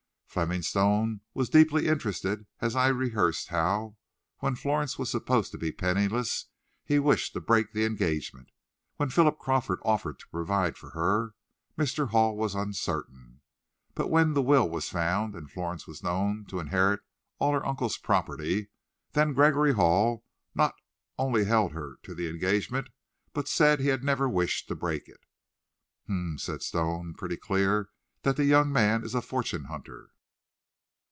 Fleming Stone was deeply interested as I rehearsed how, when Florence was supposed to be penniless, he wished to break the engagement. When Philip Crawford offered to provide for her, Mr. Hall was uncertain; but when the will was found, and Florence was known to inherit all her uncle's property, then Gregory Hall not only held her to the engagement, but said he had never wished to break it. "H'm," said Stone. "Pretty clear that the young man is a fortune hunter."